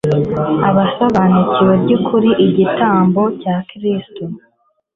abasobanukiwe by'ukuri igitambo cya kristo